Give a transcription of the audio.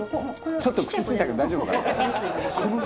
「ちょっと口ついたけど大丈夫かな？」